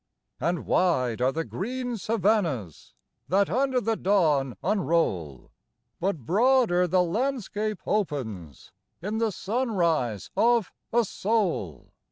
And wide are the green savannas That under the dawn unroll ; But broader the landscape opens In the sunrise of a soul